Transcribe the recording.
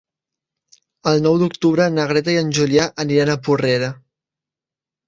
El nou d'octubre na Greta i en Julià aniran a Porrera.